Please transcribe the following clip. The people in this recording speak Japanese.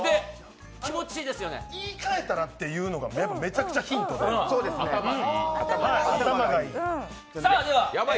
言い換えたらっていうのがめちゃくちゃヒントでした。